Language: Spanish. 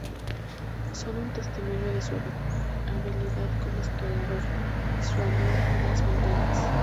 Son un testimonio de su habilidad como escalador, y su amor por las montañas.